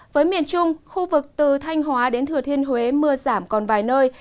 với miền trung khu vực từ thanh hóa đến thừa thiên huế mưa giảm còn vài nơi